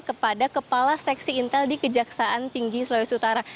kepada kepala seksi intel di kejaksaan tinggi sulawesi utara